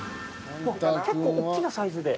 結構大きなサイズで？